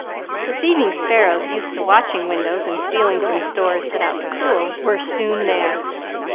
The thieving sparrows, used to watching windows and stealing from stores set out to cool, were soon there.